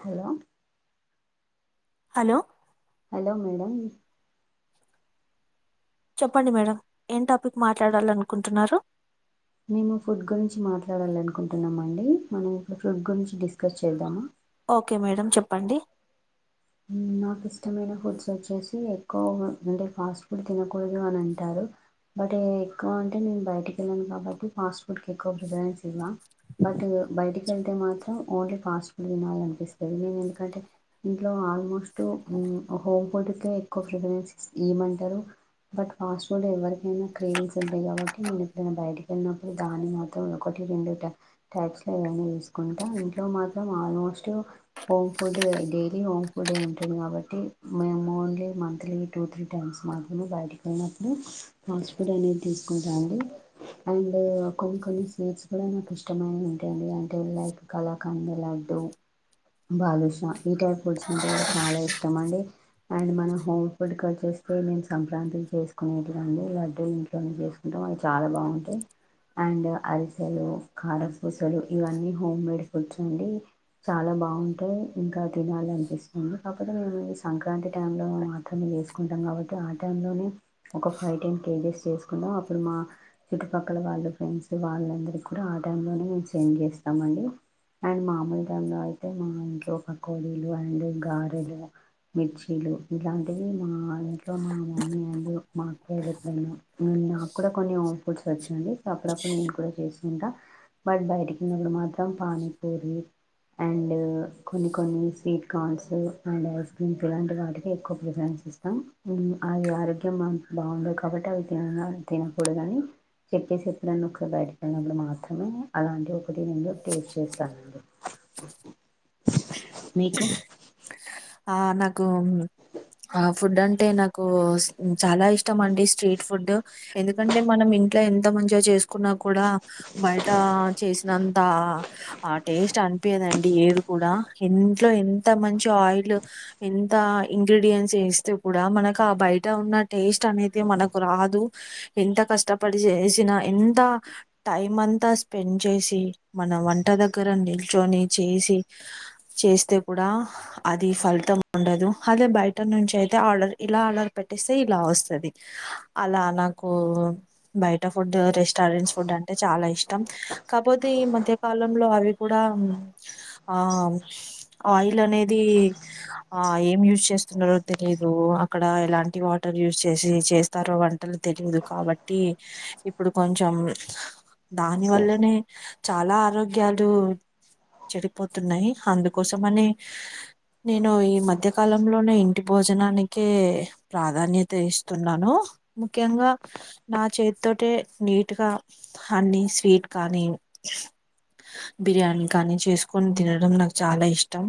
Hello hello hello madam చెప్పండి madam ఏం topic మాట్లాడాలనుకుంటున్నారు మేము ఫుడ్ గురించి మాట్లాడాలి అనుకుంటున్నాం అండి మనం ఇప్పుడు ఫుడ్ గురించి డిస్కస్ చేద్దామా ఓకే మేడం చెప్పండి నాకు ఇష్టమైన ఫుడ్స్ వచ్చేసి ఎక్కువ అంటే ఫాస్ట్ ఫుడ్ తినకూడదు అని అంటారు బట్ ఎక్కువ అంటే నేను బయటకి వెళ్ళను కాబట్టి ఫాస్ట్ ఫుడ్కి ఎక్కువ ప్రిఫరెన్స్ ఇవ్వ బట్ బయటికి వెళ్తే మాత్రం ఓన్లీ ఫాస్ట్ ఫుడ్ తినాలనిపిస్తది నేను ఎందుకంటే లో ఆల్మోస్ట్ అ హోమ్ ఫుడ్ కె ఎక్కువ ప్రిఫరెన్స్ ఇయమంటరు బట్ ఫాస్ట్ ఫుడ్ లో ఎవరికైనా క్రేవిస్ ఉంటాయి కాబట్టి నేను ఎప్పుడైనా బయటకి వెళ్ళినప్పుడు దాన్ని మాత్రం ఒకటి రెండు టైప్స్ లో ఏవైనా చూసుకుంటా ఇంట్లో మాత్రం ఆల్మోస్ట్ హోమ్ ఫుడ్ ఇదే హోమ్ ఫుడ్ ఉంటుంది కాబట్టి మేము only monthly two three times మాత్రమే బయటికి వెళ్ళినప్పుడు ఫాస్ట్ ఫుడ్ అనేది తీసుకుంటాండి అండ్ కొన్ని కొన్ని స్వీట్స్ కూడా నాకు ఇష్టమైనవి ఉంటాయండి అంటే లైక్ కళాకండ్, లడ్డు, బాదుషా ఈ టైప్ ఫుడ్స్ అంటే కూడా చాలా ఇష్టం అండి అండ్ మన హోమ్ ఫుడ్ కి వచ్చేస్తే మేము సంక్రాంతికి చేసుకునేవి లడ్డు ఇంట్లోనే చేసుకుంటాం అవి చాలా బాగుంటాయి అండ్ అరిసెలు కారపూసలు ఇవన్నీ హోమ్ మేడ్ ఫుడ్స్ అండి చాలా బాగుంటాయి ఇంకా తినాలి అనిపిస్తుంది కాకపోతే మేము ఈ సంక్రాంతి టైంలో మాత్రమే వేసుకుంటాం కాబట్టి ఆ టైంలోనే ఒక ఫైవ్ టెన్ కేజెస్ చేసుకుంటాం అప్పుడు మా చుట్టుపక్కల వాళ్ళు ఫ్రెండ్స్ వాళ్ళందరి కూడా ఆ టైంలోనే మేము సెండ్ చేస్తాం అండి అండ్ మామూలు టైంలో అయితే మా ఇంట్లో ఒక కోడి అండ్ గారెలు మిర్చీలు ఇలాంటివి మా ఇంట్లో మా మమ్మీ అండ్ మా అత్తాయ్య పైన [unintelligible] నాకు కూడా కొన్ని ఫుడ్స్ వచ్చండి సో అప్పుడప్పుడు నేను కూడా చేస్తాను బట్ బయటికిన్నప్పుడు మాత్రం పానీపూరి అండ్ కొన్ని కొన్ని [unintelligible] స్వీట్కాార్న్స్ అండ్ ఐస్ క్రీమ్స్ ఇలాంటి వాటికి ఎక్కువ ప్రిఫరెన్స్ ఇస్తాం అవి ఆరోగ్యం బాగుండదు కాబట్టి అవి తినాల తినకూడ కానీ చెప్పేసిప్పు నన్ను ఒకసారి బయట తిళినప్పుడు మాత్రమే అలాంటివి ఒకటి నేను టేస్ట్ చేస్తానండి మీకు ఆ నాకు ఆ ఫుడ్ అంటే నాకు చాలా ఇష్టం అండి స్ట్రీట్ ఫుడ్ ఎందుకంటే మనం ఇంట్లో ఎంత మంచిగా చేసుకున్నా కూడా బయట చేసినంత ఆ టేస్ట్ అనిపియ్యదండి ఏది కూడా ఇంట్లో ఎంత మంచి ఆయిల్ ఎంత ఇంగ్రీడియంట్స్ వేస్తే కూడా మనకు ఆ బయట ఉన్న టేస్ట్ అనేతే మనకు రాదు ఎంత కష్టపడి చేసినా ఎంత టైం అంతా స్పెండ్ చేసి మన వంట దగ్గర నిల్చొని చేసి చేస్తే కూడా అది ఫలితం ఉండదు అదే బయట నుంచి అయితే ఆర్డర్ ఇలా ఆర్డర్ పెట్టిస్తే ఇలా వస్తుంది అలా నాకు బయట ఫుడ్ రెస్టారెంట్స్ ఫుడ్ అంటే చాలా ఇష్టం కాపోతే ఈ మధ్యకాలంలో అవి కూడా ఆ ఆయిల్ అనేది ది ఆ ఏం యూస్ చేస్తున్నారో తెలియదు అక్కడ ఎలాంటి వాటర్ యూస్ చేసి చేస్తారో వంటలు తెలిదు కాబట్టి ఇప్పుడు కొంచెం దాని వల్లనే చాలా ఆరోగ్యాలు చెడిపోతున్నాయి అందుకోసమని నేను ఈ మధ్య కాలంలోనే ఇంటి భోజనానికే ప్రాధాన్యత ఇస్తున్నాను ముఖ్యంగా నా చేతితోటే నీట్ గా అన్ని స్వీట్ కానీ బిర్యానీ కానీ చేసుకొని తినడం నాకు చాలా ఇష్టం.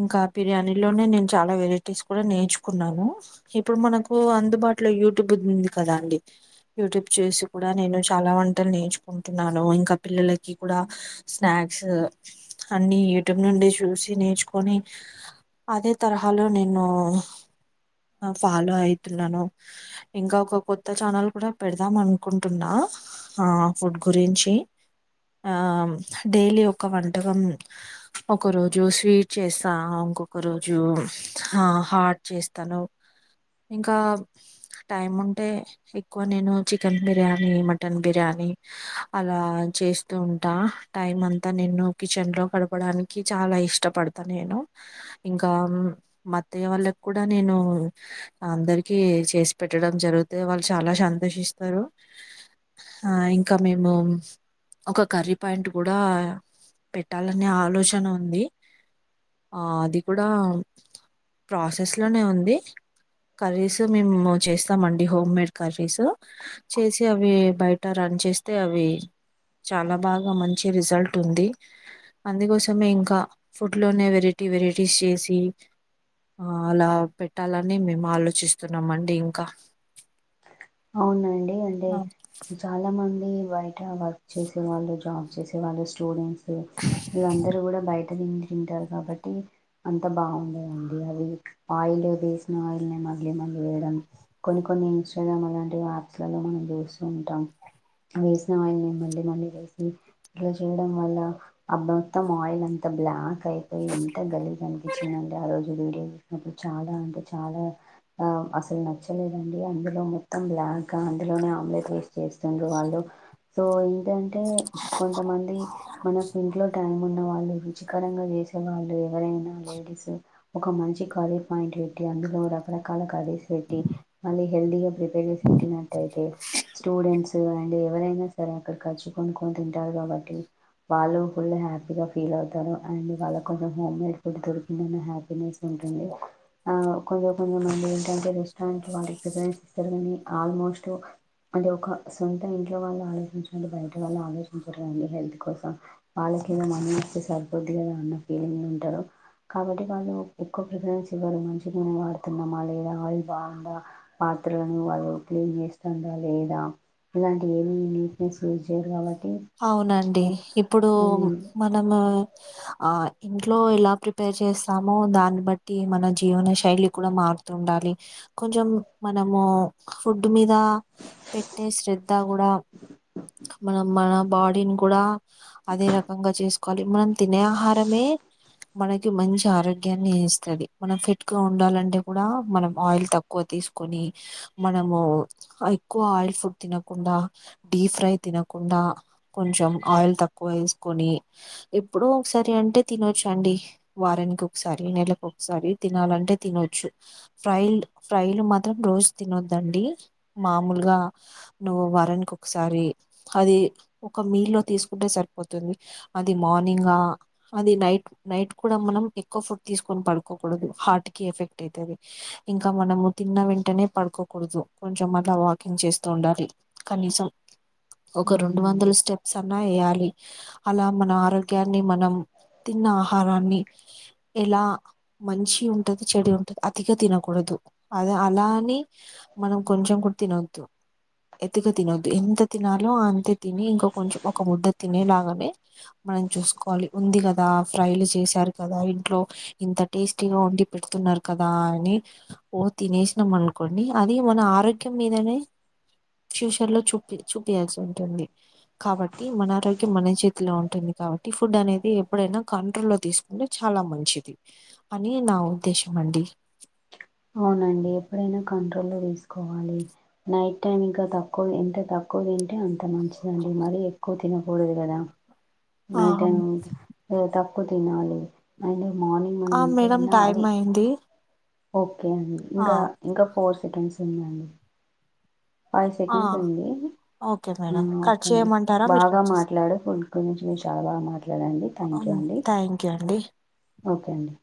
ఇంకా బిర్యానీలోనే నేను చాలా వెరైటీస్ కూడా నేర్చుకున్నాను ఇప్పుడు మనకు అందుబాటులో యూట్యూబ్ ఉంది కదా అండి యూట్యూబ్ చూసి కూడా నేను చాలా వంటలు నేర్చుకుంటున్నాను ఇంకా పిల్లలకి కూడా స్నాక్స్ అన్ని యూట్యూబ్ నుండి చూసి నేర్చు కొని అదే తరహాలో నేను ఫాలో అయితున్నాను ఇంకా ఒక కొత్త ఛానల్ కూడా పెడదాం అనుకుంటున్నా ఆ ఫుడ్ గురించి ఆ డైలీ ఒక వంటకం ఒక రోజు స్వీట్. చేస్తా ఇంకొక రోజు హాట్ చేస్తాను ఇంకా టైం ఉంటే ఎక్కువ నేను చికెన్ బిర్యానీ మటన్ బిర్యానీ అలా చేస్తూ ఉంటా టైం అంతా నేను కిచెన్ లో గడపడానికి చాలా ఇష్టపడ్ త నేను ఇంకా మా అత్తయ్య వాళ్ళకి కూడా నేను అందరికి చేసి పెట్టడం జరిగుతే వాళ్ళు చాలా సంతోషిస్తారు ఆ ఇంకా మేము ఒక కర్రీ పాయింట్ కూడా పెట్టాలనే ఆలోచన ఉంది. ఆ అది కూడా ప్రాసెస్ లోనే ఉంది కర్రీస్ మేము చేస్తామండి హోం మేడ్ కర్రీస్ చేసి అవి బయట రన్ చేస్తే అవి చాలా బాగా మంచి రిజల్ట్ ఉంది అందుకోసమే ఇంకా ఫుడ్. ఇంట్లోనే వెరైటీ వెరైటీస్ చేసి ఆ అలా పెట్టాలని మేము ఆలోచిస్తున్నాము అండి ఇంకా అవునండి అంటే చాలా మంద్ ఉమ్ బయట వర్క్ చేసే వాళ్ళు జాబ్ చేసే వాళ్ళు స్టూడెంట్స్ వీళ్ళందరూ కూడా బయట్ అది తింటారు కాబట్టి అంత బాగుండదండి. అవి ఆయిల్ వేసిన ఆయిల్ మళ్లీ మళ్లీ వెయ్యడం. కొన్ని కొన్ని ఇన్ స్టాగ్రాములు యాప్స్ లలో మనం చూస్తూ ఉంటాం వేసిన ఆయిల్ మళ్ళీ, మళ్ళీ వేసి ఇట్లా చేయడం వల్ల, ఆ మొత్తం ఆయిల్ అంత బ్లాక్ అయిపోయి ఎంత గలీజ్ అనిపిచ్చిందంటే, ఆ రోజు వీడియో చేసినప్పుడు, చాలా అంటే చాలా అసలు నచ్చలేదండి. అందులో మొత్తం బ్లాక్గా అందులోనే ఆమ్లెట్ వేస్ట్ చేస్తుండ్రు. వాళ్ళు సో ఏంటంటే, కొంతమంది మనకు ఇంట్లో టైం ఉన్న వాళ్ళు రుచికరంగా చేసే వాళ్ళు ఎవరైనా, లేడీస్ ఒక మంచి కర్రీ పాయింట్ పెట్టి, అందులో రకరకాల కర్రీ పెట్టి మళ్లీ హెల్తీగా పెట్ వీడియోస్ పెట్టినట్టయితే స్టూడెంట్స్ తు అండ్ ఎవరైనా సరే అక్కడ ఖర్చు కొనుక్కొని తింటారు. కాబట్టి వాళ్ళు ఫుల్ హ్యాపీగా ఫీల్ అవుతారు. అండ్ వాళ్ళ కొంచెం హోమ్ మేడ్ ఫుడ్ దొరికిందన్న హ్యాపీనెస్ ఉంటుంది. ఆ ఒకకోపానగా ఏంటంటే రెస్టారెంట్ వాళ్లకి ప్రిఫరెన్స్ కాని ఆల్మోస్ట్ అంటే ఒక సొంత ఇంట్లో వాళ్ళు ఆలోచించినట్టు బయట వాళ్ళు ఆలోచించరు అండి. హెల్త్ కోసం వాళ్ళకి ఏదో మన వస్తే సరిపోద్ది కదా అన్న ఫీలింగ్ ఉంటారు. కాబట్టి వాళ్ళు ఎక్కువ ప్రిఫరెన్స్ ఇవ్వరేమో అనేసినూనె వాడుతున్నామా లేదా ఆయిల్ బాగుందా త్రులను వాళ్ళు క్లీన్ చేస్తుందా లేదా ఇలాంటి ఏమీ నీట్నెస్ యూజ్ చేయరు కాబట్టి అవునండి ఇప్పుడు మనము ఆ ఇంట్లో ఎలా ప్రిపేర్ చేస్తామో, దాన్ని బట్టి మన జీవన శైలి కూడా మారుతూ ఉండాలి. కొంచెం మనము ఫుడ్ మీద పెట్టే, శ్రధ కూడా మనం మనం బాడీని కూడా అదే రకంగా చెస్ మళ్లీ మనం తినే ఆహారమే మనకి మంచి ఆరోగ్యాన్ని ఇస్తది. మనం ఫిట్ గా ఉండాలంటే కూడా మనం ఆయిల్ తక్కువ తీసుకొని మనము ఎక్కువ ఆయిల్ ఫుడ్ తినకుండా డీ ఫ్రై తినకుండా. కొంచెం ఆయిల్ తక్కువ వేసుకొని, ఎప్పుడో ఒకసారి అంటే తినొచ్చు అండి. వారానికి ఒకసారి నెలకు ఒకసారి తినాలంటే తినొచ్చు ఫ్రైల్డ్ ఫ్రైల్ మాత్రం రోజు తినొద్దండి. మాములుగా నువ్వు వారానికి ఒకసారి అది ఒక మీ లో తీసుకుంటే సరిపోతుంది. అది మార్నింగా అది నైట్ నైట్ కూడా మనం ఎక్కువ ఫుడ్ తీసుకొని పడుకోకూడదు. హార్ట్ కి ఎఫెక్ట్ అయితది. ఇంకా మనము తిన్న వెంటనే పడుకోకూడదు. కొంచెం అట్లా వాకింగ్ చేస్తూ ఉండాలి కనీసం. ఒకరు వందల అవునండి స్టెప్స్ అన్ న్నా వేయాలి అలా మన ఆరోగ్యాన్ని మనం తిన్న ఆహారాన్ని ఎలా మంచి ఉంటది. చెడి ఉంటది. అతిగా తినకూడదు అలా అలాని మనం కొంచెం కూడా తినొద్దు. ఎతిగా తినొద్దు. ఎంత తినాలో అంతే. తిని ఇంక కొంచెం ఒక ముద్ద తినేలాగానే మనం చూసుకోవాలి. ఉంది కదా ఫ్రైలు చేశారు కదా. ఇంట్లో ఇంత టేస్టీగా వండి పెడుతున్నారు కదా అని ఓ తినేసినాం అనుకోండి. అది మన ఆరోగ్యం మీదనే ఫ్యూచర్ లో చూపి చూపియాల్సి ఉంటుంది. కాబట్టి మన ఆరోగ్యం మన చేతిలో ఉంటుంది. కాబట్టి ఫుడ్ అనేది ఎప్పుడైనా కంట్రోల్ లో తీసుకుంటే చాలా మంచిది. అని నా ఉద్దేశం అండి. అవునండి ఎప్పుడైనా కంట్రోల్ లో తీసుకోవాలి నైట్ టైం ఇంకా తక్కువ ఎంత తక్కువ తిన్ అంటే అంత మంచిదండి మరీ ఎక్కువ తిన కూడదు కదా ఆ నైట్ టైము తినేటప్ క్కు తినాలి అండ్ మార్నింగ్ ఆ మేడం టైం అయింది ఓప్ ఓకే అండ్ ఆ ఇంక ఇంకా ఫోర్స్ టెన్షన్ ఉందండి ఫైవ్ ఆ సెకండ్స్ అండి. Okay madam ah cut okay అండి. చేయమంటారా మీరు బాగా కట్ చేస్ మాట్లాడు ఫుడ్ గురించి చాలా మాట్లాడండి. థ్యాంక్ యూ హ్మ్. అండి. థ్యాంక్ యూ అండి ఓకె అండి